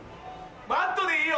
マットでいいよ。